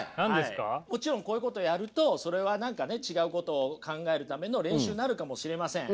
もちろんこういうことやるとそれは何かね違うことを考えるための練習になるかもしれません。